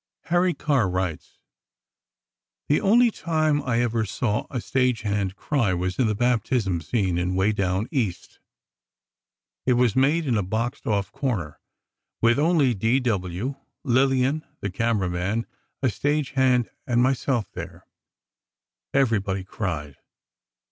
Harry Carr writes: The only time I ever saw a stage hand cry was in the baptism scene in "Way Down East." It was made in a boxed off corner, with only D. W., Lillian, the camera man, a stage hand and myself there. Everybody cried.